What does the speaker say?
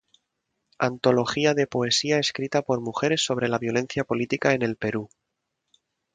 Antología de poesía escrita por mujeres sobre la violencia política en el Perú.